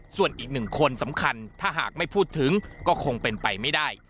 ส่วนอีกหนึ่งคนสำคัญถ้าหากไม่พูดถึงก็คงเป็นไปไม่ได้